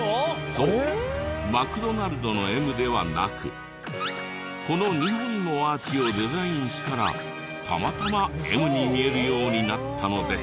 そうマクドナルドの「Ｍ」ではなくこの２本のアーチをデザインしたらたまたま「Ｍ」に見えるようになったのです。